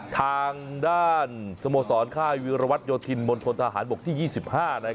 ทางด้านสโมสรค่ายวิรวัตโยธินมณฑนทหารบกที่๒๕